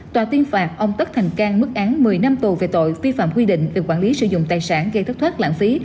tòa tuyên phạt ông tất thành cang mức án một mươi năm tù về tội vi phạm quy định về quản lý sử dụng tài sản gây thất thoát lãng phí